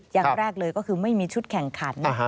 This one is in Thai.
อย่างแรกเลยก็คือไม่มีชุดแข่งขัน